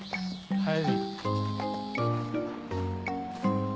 はい。